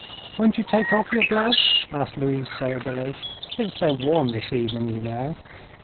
"Won't you take off your gloves?" asked Louise, soberly. "It's so warm this evening, you know."